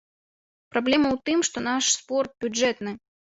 Праблема ў тым, што наш спорт бюджэтны.